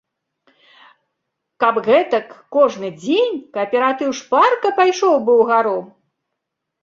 Каб гэтак кожны дзень, кааператыў шпарка пайшоў бы ўгару.